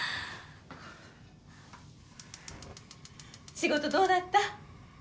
仕事どうだった？